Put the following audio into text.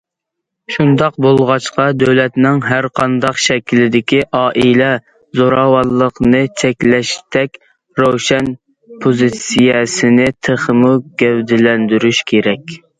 شۇنداق بولغاچقا، دۆلەتنىڭ ھەر قانداق شەكىلدىكى ئائىلە زوراۋانلىقىنى چەكلەشتەك روشەن پوزىتسىيەسىنى تېخىمۇ گەۋدىلەندۈرۈش كېرەك.